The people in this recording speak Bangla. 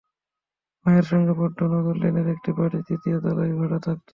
মায়ের সঙ্গে বাড্ডা নগর লেনের একটি বাড়ির দ্বিতীয় তলায় ভাড়া থাকত।